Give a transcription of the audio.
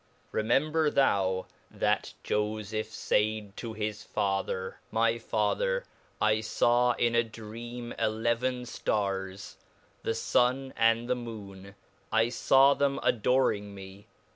Remember thou, that 'fofefh faid to his father, My father, 1 faw in a dream eleven Stars, the Sun, and the Moone, I faw 'them adodrig me.